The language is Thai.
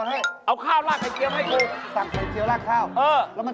เฮ้ยผิดด้วยจริง